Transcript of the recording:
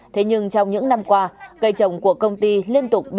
thế nhưng trong những năm qua cây trồng của công ty liên tục biến đổi